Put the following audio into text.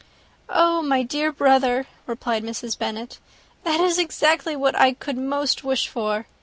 "Oh, my dear brother," replied Mrs. Bennet, "that is exactly what I could most wish for.